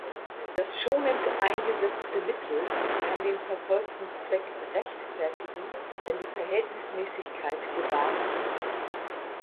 Das schonend eingesetzte Mittel kann den verfolgten Zweck rechtfertigen, wenn die Verhältnismäßigkeit gewahrt ist.